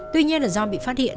tuy nhiên là do bị phát hiện